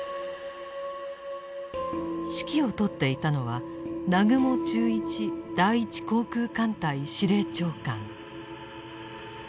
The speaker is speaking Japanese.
指揮を執っていたのは南雲忠一第一航空艦隊司令長官。